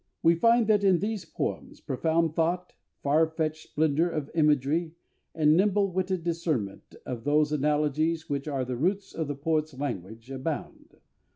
We find that in these poems profound thought, far fetched splendour of imagery, and nimble witted discernment of those analogies which are the roots of the poet's language, abound